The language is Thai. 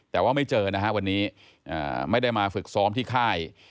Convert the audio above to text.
แต่ว่าไม่เจอนะฮะวันนี้ไม่ได้มาฝึกซ้อมที่ค่าย